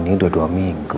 ini sudah dua minggu